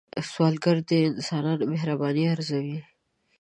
سوالګر د انسانانو مهرباني ارزوي